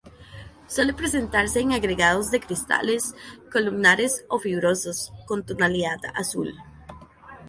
Suele presentarse en agregados de cristales, columnares o fibrosos, con tonalidad azul.